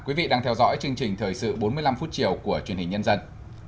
quý vị đang theo dõi chương trình thời sự bốn mươi năm phút chiều của truyền hình nhân dân